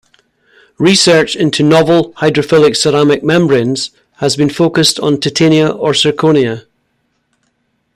Research into novel hydrophilic ceramic membranes has been focused on titania or zirconia.